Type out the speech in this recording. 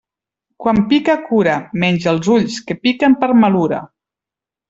Quan pica cura, menys els ulls, que piquen per malura.